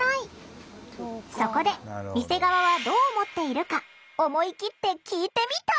そこで店側はどう思っているか思い切って聞いてみた。